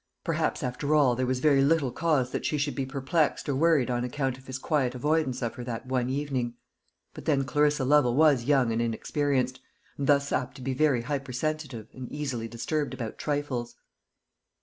Perhaps, after all, there was very little cause that she should be perplexed or worried on account of his quiet avoidance of her that one evening; but then Clarissa Lovel was young and inexperienced, and thus apt to be hypersensitive, and easily disturbed about trifles.